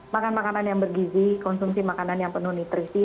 makan makanan yang bergizi konsumsi makanan yang penuh nutrisi